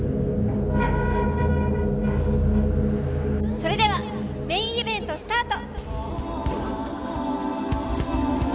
それではメーンイベントスタート！